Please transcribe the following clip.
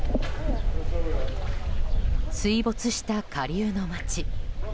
水没した下流の街。